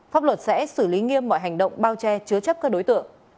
pháp luật sẽ xử lý nghiêm mọi hành động bao che chứa chấp các đối tượng